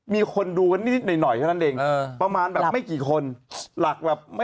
มีคนดูกันนิดหน่อยเท่านั้นเองประมาณแบบไม่กี่คนหลักแบบไม่